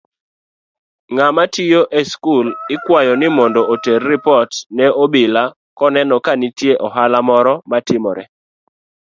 Ng'amatiyo eskul ikwayo nimondo oter ripot ne obila koneno kanitie ohala moro matimore.